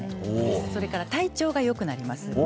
それから体調がよくなります。